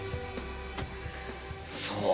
そう！